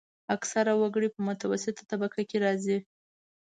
اکثره وګړي په متوسطه طبقه کې راځي.